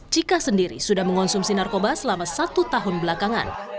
cika sendiri sudah mengonsumsi narkoba selama satu tahun belakangan